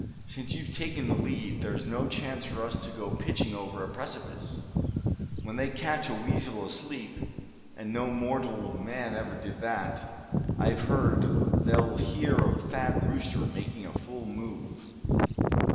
"Since you've taken the lead, there's no chance for us to go pitching over a precipice. When they catch a weasel asleep, and no mortal man ever did that, I've heard, they'll hear of Thad Brewster making a fool move."